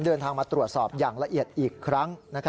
เดินทางมาตรวจสอบอย่างละเอียดอีกครั้ง